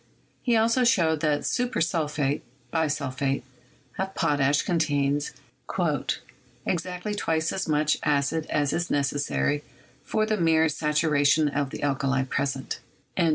He also showed that "super sulphate" (bisulphate) of potash con tains "exactly twice as much acid as is necessary for the mere saturation of the alkali present."